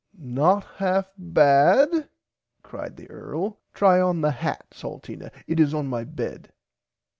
Not half bad cried the earl try on the hat Salteena it is on my bed.